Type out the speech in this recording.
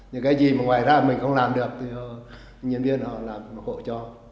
nhưng cái gì mà ngoài ra mình không làm được thì nhân viên họ làm họ hỗ trợ